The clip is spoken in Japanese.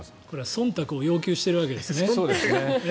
そんたくを要求してるわけですね。